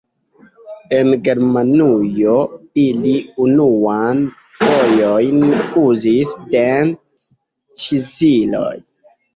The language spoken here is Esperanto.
En Germanujo ili unuan fojojn uzis dent-ĉizilojn.